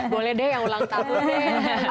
boleh deh yang ulang tahun nih